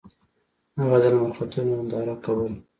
هغه د لمر ختلو ننداره کوله.